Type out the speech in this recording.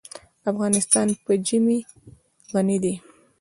افغانستان په ژمی غني دی.